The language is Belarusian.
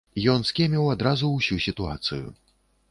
Ён скеміў адразу ўсю сітуацыю.